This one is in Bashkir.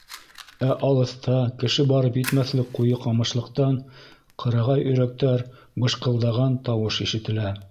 Ә алыҫта кеше барып етмәҫлек ҡуйы ҡамышлыҡтан ҡырағай өйрәктәр быжҡылдаған тауыш ишетелә.